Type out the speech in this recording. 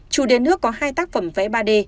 chủ đề nước có hai tác phẩm vẽ ba d